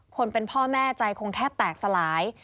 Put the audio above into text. คนเป็นพ่อแม่ใจคงแทบแตกสลาย